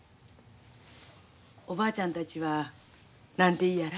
おばあちゃんたちは何て言いやら？